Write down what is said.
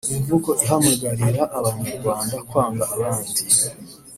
imvugo ihamagarira Abanyarwanda kwanga abandi